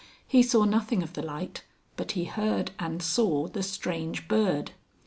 He saw nothing of the light but he heard and saw the Strange Bird.